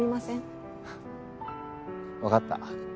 わかった。